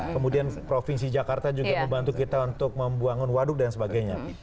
kemudian provinsi jakarta juga membantu kita untuk membuangan waduk dan sebagainya